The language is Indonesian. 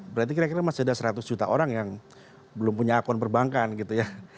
berarti kira kira masih ada seratus juta orang yang belum punya akun perbankan gitu ya